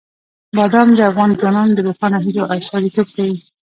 بادام د افغان ځوانانو د روښانه هیلو استازیتوب کوي.